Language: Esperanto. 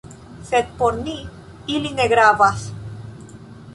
Sed por ni, ili ne gravas.